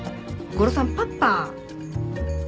ゴロさんパッパ？